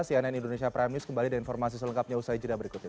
cnn indonesia prime news kembali dengan informasi selengkapnya usai jeda berikut ini